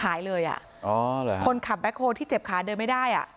หายเลยอ่ะอ๋อเหรอคนขับแบ็คโฮลที่เจ็บขาเดินไม่ได้อ่ะ